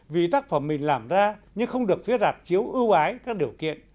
vì tác phẩm mình làm ra nhưng không được phía rạp chiếu ưu ái các điều kiện